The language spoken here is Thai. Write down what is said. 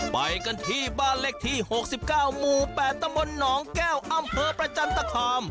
ไปกันที่บ้านเลขที่๖๙หมู่๘ตำบลหนองแก้วอำเภอประจันตคาม